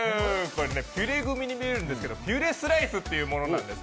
ピュレグミに見えるんですけどピュレスライスっていうんです。